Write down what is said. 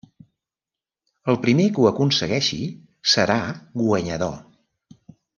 El primer que ho aconsegueixi serà guanyador.